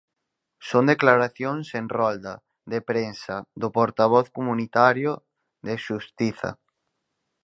Son declaracións en rolda de prensa do portavoz comunitario de xustiza.